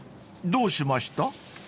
［どうしました？］